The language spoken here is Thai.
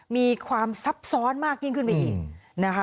มีความซับซ้อนมากยิ่งขึ้นไปอีกนะคะ